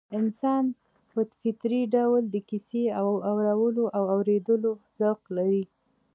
انسان په فطري ډول د کيسې اورولو او اورېدلو ذوق لري